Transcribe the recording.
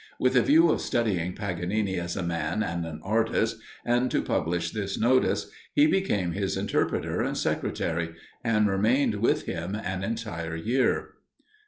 With a view of studying Paganini as a man and an artist, and to publish this notice, he became his interpreter and secretary, and remained with him an entire year.